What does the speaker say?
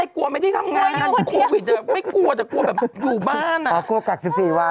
ก็ตั้งกล้องเองแล้วก็ส่ายท่อสดไปไหม